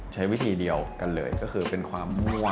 ใช้วิธีเดียวกันเลยก็คือเป็นความมั่ว